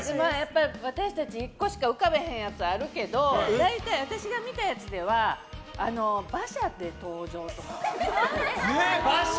私たち１個しか浮かばないやつあるけど私が見たやつでは馬車で登場とか。